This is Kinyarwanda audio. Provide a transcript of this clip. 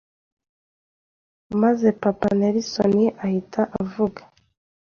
maze Papa Nelson ahita avuga,